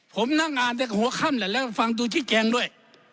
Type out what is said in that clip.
ผมนั่งอ่านแต่หัวค่ำแหละแล้วฟังดูชี้แจงด้วย